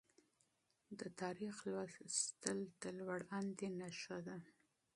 د تاریخ لوستل د بصیرت نښه ده.